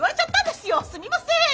すみません！